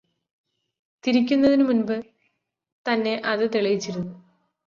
തിരിക്കുന്നതിനുമുമ്പ് തന്നെ അത് തെളിയിച്ചിരുന്നു